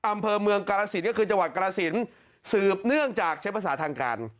อำเภอเมืองกาลสินก็คือจังหวัดกรสินสืบเนื่องจากใช้ภาษาทางการ